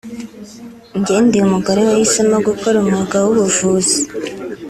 Jye ndi Umugore wahisemo gukora umwuga w’ubuvuzi